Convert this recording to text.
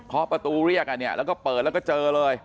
ประตูเรียกอันนี้แล้วก็เปิดแล้วก็เจอเลย